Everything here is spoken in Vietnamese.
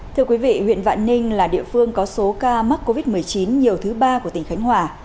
thưa quý vị huyện vạn ninh là địa phương có số ca mắc covid một mươi chín nhiều thứ ba của tỉnh khánh hòa